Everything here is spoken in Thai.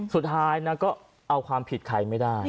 สุดท้ายนะก็เอาความผิดใครไม่ได้